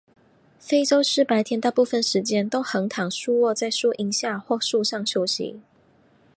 非洲狮白天大部分时间都横躺竖卧在树荫下或树上休息。